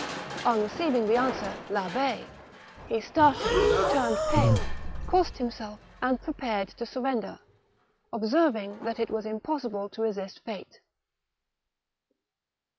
* On receiving the answer "Labb6," THE MARiCHAL DE RETZ. 189 he started, turned pale, crossed himself, and prepared to surrender, observing that it was impossible to resist fate.